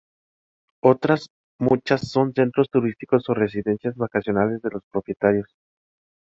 Otras muchas son centros turísticos o residencias vacacionales de los propietarios.